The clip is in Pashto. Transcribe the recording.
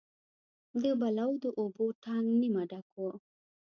د بلو د اوبو ټانک نیمه ډک و.